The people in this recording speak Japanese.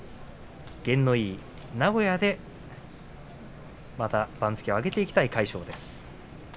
験のいい名古屋でまた、番付を上げていきたい魁勝です。